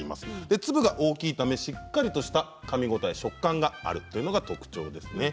粒が大きいためしっかりとしたかみ応え食感があるのが特徴ですね。